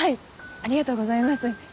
ありがとうございます。